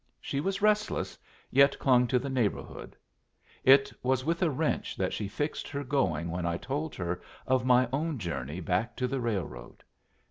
She was restless, yet clung to the neighborhood. It was with a wrench that she fixed her going when I told her of my own journey back to the railroad.